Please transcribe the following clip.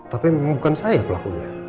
tapi bukan saya pelakunya